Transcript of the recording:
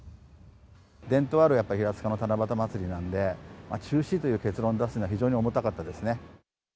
伝統あるやっぱり平塚の七夕祭りなので、中止という結論を出すのは非常に重たかったですね。